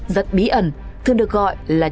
rất bí ẩn thường được gọi là